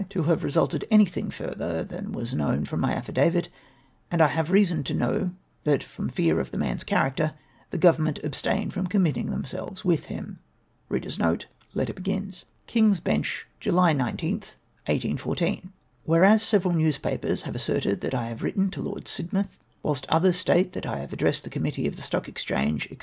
341 to have resulted in anything further than was known ii'oui my affidavit, and I have reason to know that from fear of the man's character, the Government ab stained from committing themselves with him. " KingsBencli, July lOtli, LS11 . "Wliereas several newspapers have asserted that I have written to Lord Sidmouth, whilst others state that I liave addressed the committee of the Stock Exchange, &c.